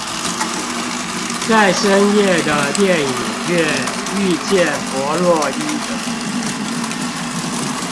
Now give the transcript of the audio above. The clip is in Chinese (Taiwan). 在深夜的電影院遇見佛洛伊德